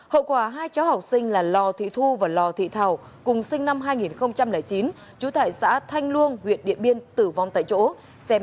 hậu quả hai cháu học sinh là lò thị thu và lò thị thảo cùng sinh năm hai nghìn chín chú tại xã thanh luông huyện điện biên tử vong tại chỗ xe máy điện bị khư hỏng nặng